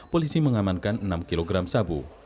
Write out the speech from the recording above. polisi mengamankan enam kg sabu